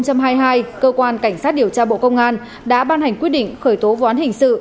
cơ quan cảnh sát điều tra bộ công an đã ban hành quyết định khởi tố vụ án hình sự